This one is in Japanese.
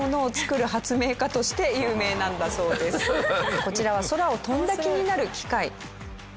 こちらは空を飛んだ気になる機械。